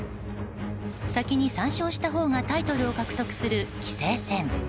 先に３勝したほうがタイトルを獲得する棋聖戦。